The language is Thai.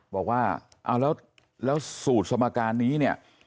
บอกว่าเอาแล้วสูตรสมการนี้เนี่ย